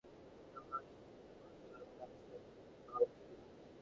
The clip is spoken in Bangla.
মনেহচ্ছে খেঁজুরে আলাপ করে আর সময় নষ্ট করতে পারব না মিঃ গডবি।